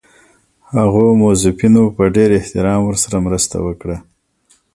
هغو موظفینو په ډېر احترام ورسره مرسته وکړه.